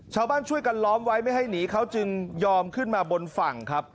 ชาวบ้านช่วยกันล้อมไว้ไม่ให้หนีเขาจึงยอมขึ้นมาบนฝั่งครับ